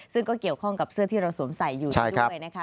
ซึ่งก็เกี่ยวข้องกับเสื้อที่เราสวมใส่อยู่ด้วยนะคะ